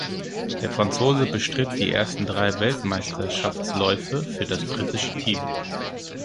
Der Franzose bestritt die ersten drei Weltmeisterschaftsläufe für das britische Team.